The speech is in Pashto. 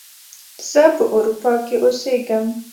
زه په اروپا کې اوسیږم